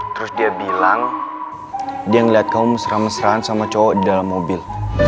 terus dia bilang dia ngelihat kamu mesra mesraan sama cowok di dalam mobil